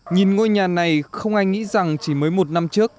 nhìn ngôi nhà này không ai nghĩ rằng chỉ mới một năm trước